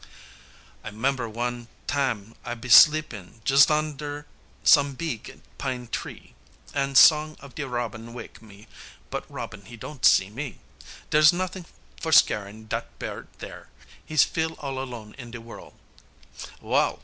I 'member wan tam I be sleepin' jus' onder some beeg pine tree An song of de robin wak' me, but robin he don't see me, Dere's not'ing for scarin' dat bird dere, he's feel all alone on de worl', Wall!